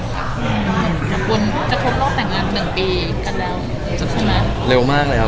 คุณจะทบรอบแต่งงาน๑ปีกันแล้วจะพูดไหม